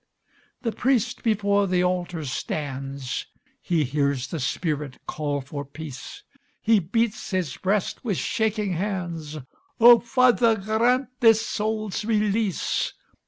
The priest before the altar stands, He hears the spirit call for peace; He beats his breast with shaking hands. "O Father, grant this soul's release.